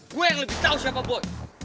gue yang lebih tahu siapa boy